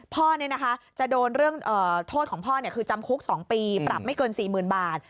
พ่อจะโดนเรื่องโทษของพ่อคือจำคุก๒ปีปรับไม่เกิน๔๐๐๐บาท